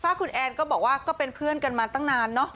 ถ้าคุณแอนก็บอกว่าก็เป็นเพื่อนกันมาตั้งนานเนอะ